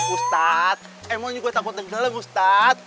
ustaz emon juga takut tenggelam ustaz